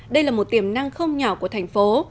đây là một tiềm năng không nhỏ của thành phố